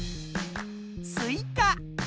スイカ。